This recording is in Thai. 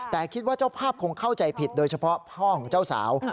แต่คิดว่าเจ้าภาพคงเข้าใจผิดโดยเฉพาะพ่อของเจ้าสาว